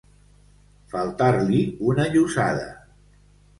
Faltar-li una llossada.